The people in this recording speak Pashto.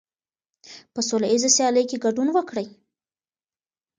په سوله ییزه سیالۍ کې ګډون وکړئ.